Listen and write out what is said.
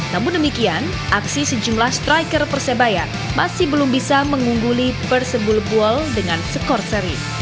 namun demikian aksi sejumlah striker persebaya masih belum bisa mengungguli persebul buol dengan skor seri